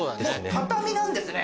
畳なんですね。